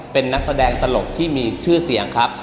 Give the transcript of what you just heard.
เป็นนักแสดงตลกที่มีชื่อเสียงครับ